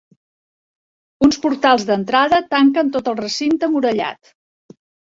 Uns portals d'entrada tanquen tot el recinte murallat.